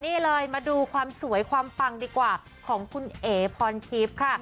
นี่เลยมาดูความสวยความปังดีกว่าของคุณเอ๋พรทิพย์ค่ะ